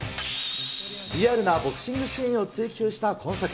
リアルなボクシングシーンを追求した今作。